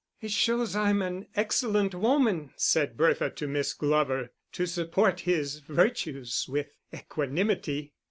"It shows I'm an excellent woman," said Bertha to Miss Glover, "to support his virtues with equanimity."